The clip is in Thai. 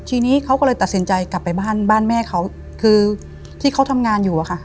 ทีนี้เขาก็เลยตัดสินใจกลับไปบ้านบ้านแม่เขาคือที่เขาทำงานอยู่อะค่ะ